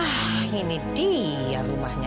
nah ini dia rumahnya